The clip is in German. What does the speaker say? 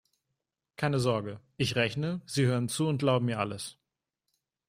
Keine Sorge: Ich rechne, Sie hören zu und glauben mir alles.